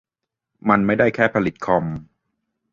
มันไม่ได้แค่ผลิตคอม